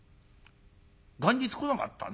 元日来なかったね。